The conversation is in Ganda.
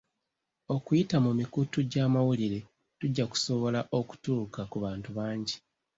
Okuyita mu mikutu gy'amawulire tujja kusobola okutuuka ku bantu bangi.